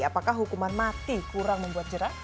apakah hukuman mati kurang membuat jerah